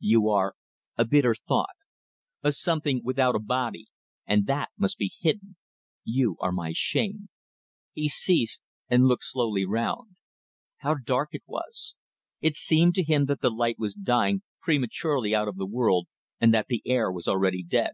You are a bitter thought, a something without a body and that must be hidden ... You are my shame." He ceased and looked slowly round. How dark it was! It seemed to him that the light was dying prematurely out of the world and that the air was already dead.